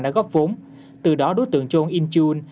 đã góp vốn từ đó đối tượng jong in chiu un